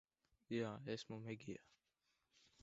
Jā. Esmu Megija.